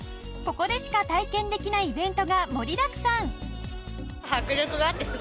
ここでしか体験できないイベントが盛りだくさん。